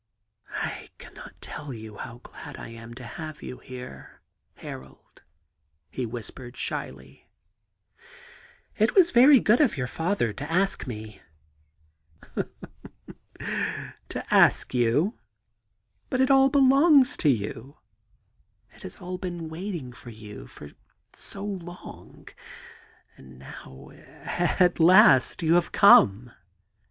*I cannot tell you how glad I am to have you here, Harold,' he whispered shyly. * It was very good of your father to ask me.' ^ To ask you I But it all belongs to you I It has all been waiting for you for so long — and now, at last, you have come.'